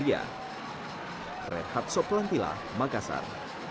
dan di sini ada dua gol yang diperlukan oleh mark klok